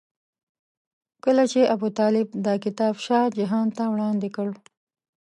کله چې ابوطالب دا کتاب شاه جهان ته وړاندې کړ.